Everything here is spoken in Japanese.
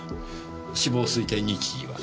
死亡推定日時は？